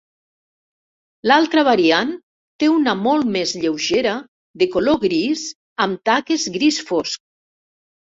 L'altra variant té una molt més lleugera, de color gris, amb taques gris fosc.